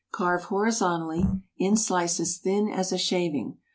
Carve horizontally, in slices thin as a shaving.